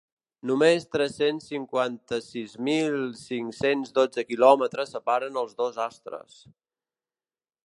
Només tres-cents cinquanta-sis mil cinc-cents dotze quilòmetres separaran els dos astres.